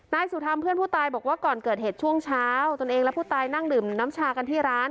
นายสุธรรมเพื่อนผู้ตายบอกว่าก่อนเกิดเหตุช่วงเช้าตนเองและผู้ตายนั่งดื่มน้ำชากันที่ร้าน